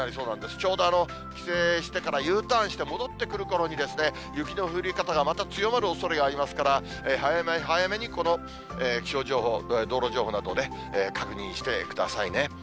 ちょうど帰省してからＵターンして戻ってくるころに、雪の降り方がまた強まるおそれがありますから、早め早めにこの気象情報、道路情報などをね、確認してくださいね。